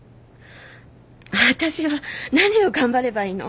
わたしは何を頑張ればいいの？